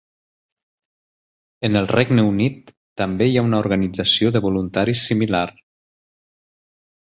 En el Regne Unit també hi ha una organització de voluntaris similar.